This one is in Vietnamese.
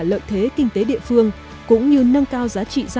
lợi thế kinh tế địa phương